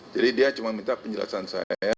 jadi dia cuma minta penjelasan saya